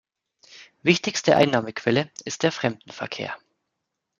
Wichtigste Einnahmequelle ist der Fremdenverkehr.